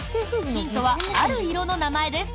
ヒントはある色の名前です。